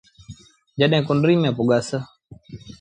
جڏهيݩ ڪنريٚ ميݩ پُڳس ۔